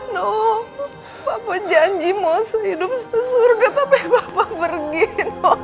nuh papa janji mau sehidup sesurga tapi bapak pergi nuh